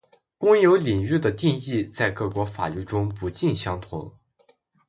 公有领域的定义在各国法律中不尽相同